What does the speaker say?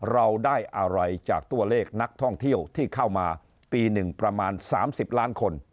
เราได้อะไรจากตัวเลขนักท่องเที่ยวที่เข้ามาปีหนึ่งประมาณ๓๐ล้านคน